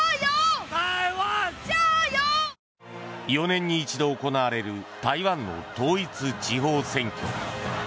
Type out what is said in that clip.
４年に一度行われる台湾の統一地方選挙。